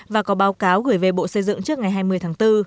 và có báo cáo gửi về bộ xây dựng trước ngày hai mươi tháng bốn